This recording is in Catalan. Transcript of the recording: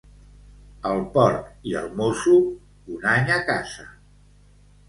El porc i el mosso, un any a casa.